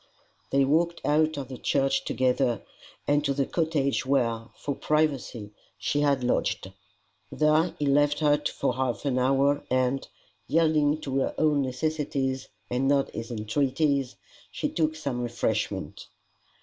They walked out of the church together and to the cottage where, for privacy, she had lodged. There he left her for half an hour, and, yielding to her own necessities and not his entreaties, she took some refreshment.